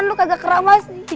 ini tuh sangat berarti